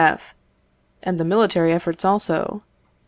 F. And the military efforts also.